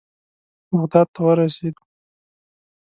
بغداد ته ورسېدو.